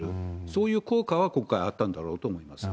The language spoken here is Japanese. そういう効果は今回あったんだろうと思います。